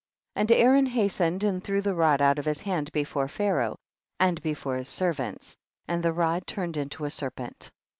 36. And Aaron hastened and threw the rod out of his hand before Pha raoh and before his servants, and the rod turned into a serpent.